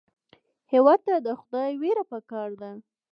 هېواد ته د خدای وېره پکار ده